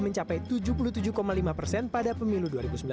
mencapai tujuh puluh tujuh lima persen pada pemilu dua ribu sembilan belas